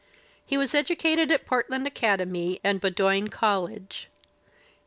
He was educated at Portland Academy and Bowdoin College.